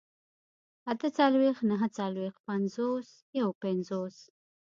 اتهڅلوېښت، نههڅلوېښت، پينځوس، يوپينځوس